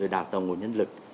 đào tầng của nhân lực